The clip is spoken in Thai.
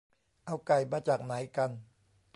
เอาไก่มาจากไหนกัน